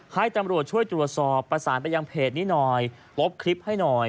ให้ตำรวจช่วยตรวจสอบประสานไปยังเพจนี้หน่อยลบคลิปให้หน่อย